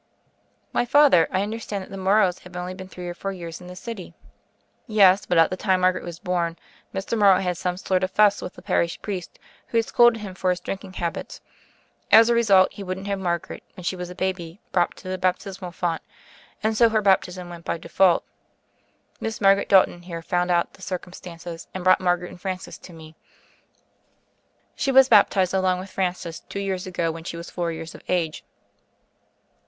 ^Why, Father, I understood that the Mor rows have only been three or four years in this city." "Yes; but at the time Margaret was bom, Mr. Morrow had some sort of a fuss with the parish priest, who had scolded him for his drink ing habits. As a result he wouldn't have Mar garet, when she was a baby, brought to the bap THE FAIRY OF THE SNOWS 109 tismal font, and so her Baptism went by de fault. Miss Margaret Dalton here found out the circumstances, and brought both Margaret and Francis to me. She was baptized along with Francis two years ago, when she was four years of age."